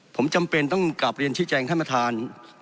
ผมจำเป็นต้องกลับเรียนชี้แจงท่านประธาน